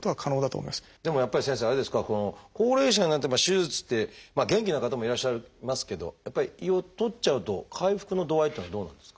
でもやっぱり先生あれですか高齢者になって手術ってまあ元気な方もいらっしゃいますけどやっぱり胃を取っちゃうと回復の度合いっていうのはどうなんですか？